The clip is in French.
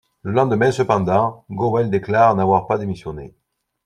Le lendemain cependant, Ghowel déclare n'avoir pas démissionné.